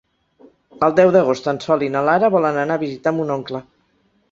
El deu d'agost en Sol i na Lara volen anar a visitar mon oncle.